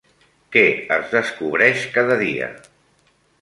Què es descobreix cada dia?